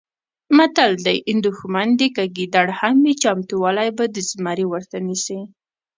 متل دی: دوښمن دې که ګیدړ هم وي چمتوالی به د زمري ورته نیسې.